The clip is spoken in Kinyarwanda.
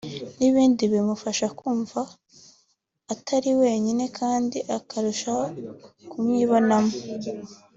n’ibindi bimufasha kumva Atari wenyine kandi akarushaho kumwibonamo